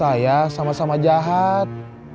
saya sama sama jahat